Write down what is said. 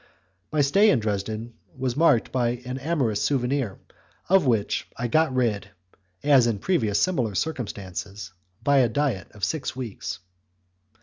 My stay in Dresden was marked by an amorous souvenir of which I got rid, as in previous similar circumstances, by a diet of six weeks.